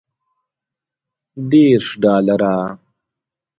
دېرش ډالره.